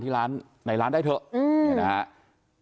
ที่ร้านในร้านได้เถอะเฮ่ยนะฮะ